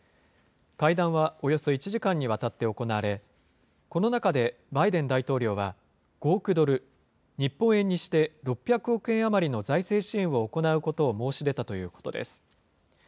会談はおよそ１時間にわたって行われ、この中でバイデン大統領は、５億ドル、日本円にして６００億円余りの財政支援を行うことを申し出たということです。